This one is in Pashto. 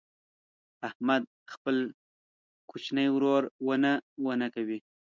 احمد خپل کوچنی ورور ونه ونه کوي.